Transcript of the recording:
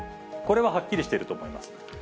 これははっきりしてると思います。